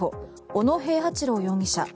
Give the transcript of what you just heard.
小野平八郎容疑者。